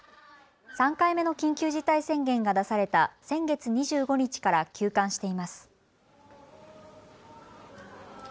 ３回目の緊急事態宣言が出された先月２５日から休館しています。